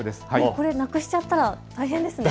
これなくしちゃったら大変ですね。